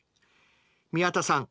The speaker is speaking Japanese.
宮田さん